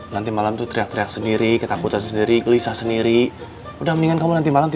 nanti malam itu teriak teriak sendiri ketakutan sendiri gelisah sendiri udah mendingan kamu nanti malam